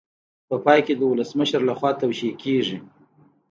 په پای کې د ولسمشر لخوا توشیح کیږي.